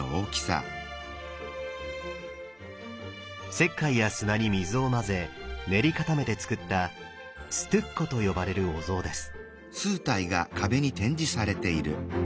石灰や砂に水を混ぜ練り固めてつくった「ストゥッコ」と呼ばれるお像です。